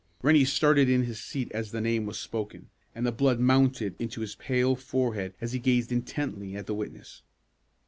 Rennie started in his seat as the name was spoken, and the blood mounted into his pale forehead as he gazed intently at the witness.